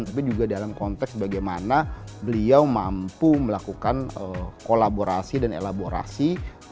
tapi juga dalam konteks bagaimana beliau mampu melakukan kolaborasi dan elaborasi